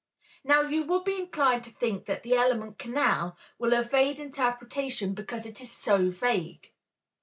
Now you will be inclined to think that the element "canal" will evade interpretation because it is so vague.